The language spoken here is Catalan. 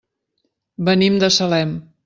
Venim de Salem.